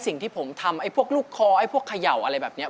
สิ่งที่ผมทำไอ้พวกลูกคอไอ้พวกเขย่าอะไรแบบนี้